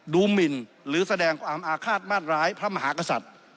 หมินหรือแสดงความอาฆาตมาดร้ายพระมหากษัตริย์